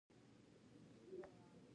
دا شپه زما لپاره یوازې کار و.